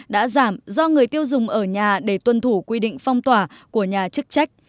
do người tiêu dùng ở nhà để tuân thủ quy định phong tỏa của nhà chức trách